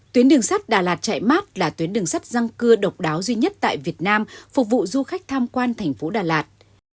tuyến đường sắt đà lạt chạy mát là tuyến đường sắt răng cưa độc đáo duy nhất tại việt nam phục vụ du khách tham quan thành phố đà lạt